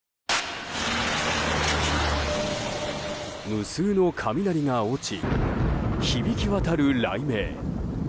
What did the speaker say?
無数の雷が落ち、響き渡る雷鳴。